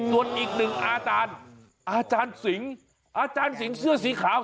ส่วนอีกหนึ่งอาจารย์อาจารย์สิงอาจารย์สิงเสื้อสีขาว